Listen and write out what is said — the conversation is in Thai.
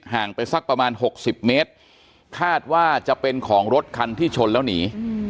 ไปสักประมาณ๖๐เมตรคาดว่าจะเป็นของรถคันที่ชนแล้วหนี